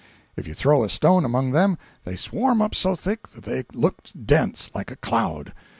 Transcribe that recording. If you throw a stone among them, they swarm up so thick that they look dense, like a cloud.